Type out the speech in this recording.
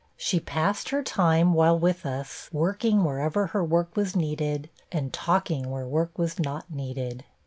She passed her time, while with us, working wherever her work was needed, and talking where work was not needed.